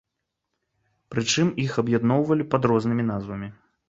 Прычым, іх аб'ядноўвалі пад рознымі назвамі.